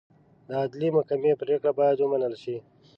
د عدلي محکمې پرېکړې باید ومنل شي.